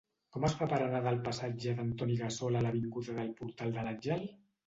Com es fa per anar del passatge d'Antoni Gassol a l'avinguda del Portal de l'Àngel?